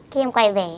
khi em quay về